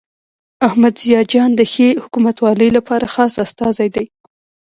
احمد ضیاء جان د ښې حکومتولۍ لپاره خاص استازی دی.